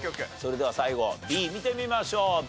それでは最後Ｂ見てみましょう。